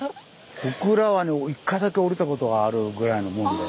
小倉はね１回だけ降りたことがあるぐらいなもんで。